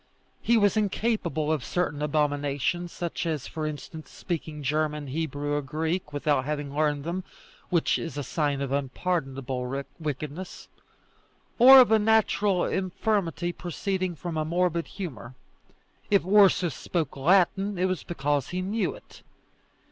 He was incapable of certain abominations, such as, for instance, speaking German, Hebrew, or Greek, without having learned them, which is a sign of unpardonable wickedness, or of a natural infirmity proceeding from a morbid humour. If Ursus spoke Latin, it was because he knew it.